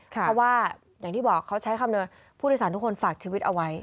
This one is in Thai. เพราะว่าอย่างที่บอกเขาใช้คำเลยผู้โดยสารทุกคนฝากชีวิตเอาไว้